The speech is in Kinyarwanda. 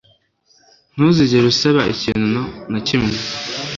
ntuzigere usaba ikintu na kimwe